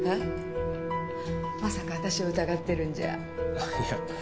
ああいや。